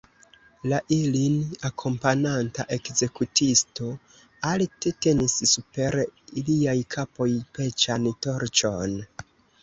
La ilin akompananta ekzekutisto alte tenis super iliaj kapoj peĉan torĉon.